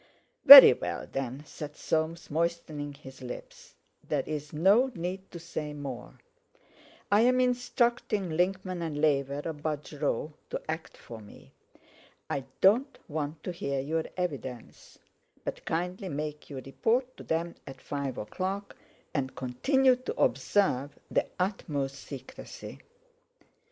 "Very well, then," said Soames, moistening his lips: "there's no need to say more. I'm instructing Linkman and Laver of Budge Row to act for me. I don't want to hear your evidence, but kindly make your report to them at five o'clock, and continue to observe the utmost secrecy."